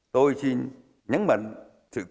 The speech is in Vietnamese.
tôi xin nhấn mạnh sự quan trọng của hợp tác xã